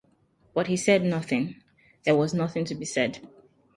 But he said nothing: there was nothing to be said.